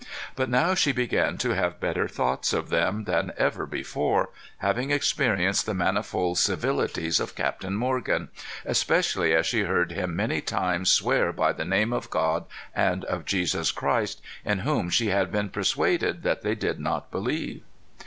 But now she began to have better thoughts of them than ever before, having experienced the manifold civilities of Captain Morgan; especially as she heard him many times swear by the name of God and of Jesus Christ, in whom she had been persuaded that they did not believe.